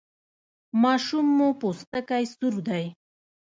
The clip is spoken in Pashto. ماشوم مو پوستکی سور دی؟